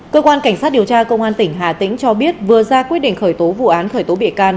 cơ quan cảnh sát điều tra công an tỉnh hà tĩnh cho biết vừa ra quyết định khởi tố vụ án khởi tố bị can